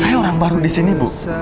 saya orang baru disini ibu